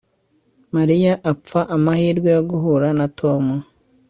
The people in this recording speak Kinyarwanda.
Mariya apfa amahirwe yo guhura na Tom